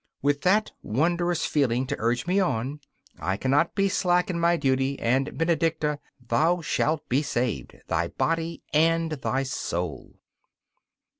With that wondrous feeling to urge me on, I cannot be slack in my duty, and, Benedicta, thou shalt be saved thy body and thy soul!